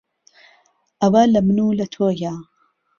ئهوه له من و له تۆیه